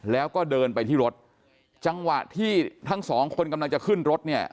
แล้วก็เดินไปที่รถจังหวะที่ทั้งสองคนกำลังจะขึ้นรถเนี่ย